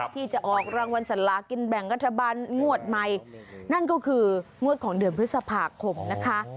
ที่จะออกรางวัลสลากินแบ่งรัฐบาลงวดใหม่นั่นก็คืองวดของเดือนพฤษภาคมนะคะ